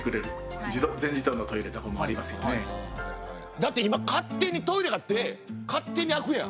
だって今勝手にトイレだって勝手に開くやん。